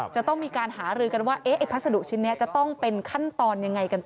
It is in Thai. จะต้องมีการหารือกันว่าไอ้พัสดุชิ้นนี้จะต้องเป็นขั้นตอนยังไงกันต่อ